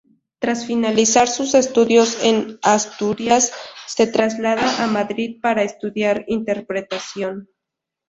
Tras finalizar sus estudios en Asturias se traslada a Madrid para estudiar Interpretación.